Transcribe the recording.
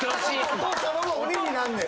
お父さまも鬼になんねん。